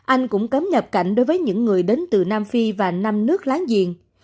anh cũng cấm nhập cảnh đối với những người đến từ nam phi và năm nước láng giềng